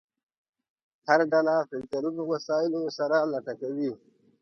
هر ډله فلټرونو وسایلو سره لټه کوي.